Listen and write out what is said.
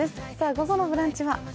午後の「ブランチ」は？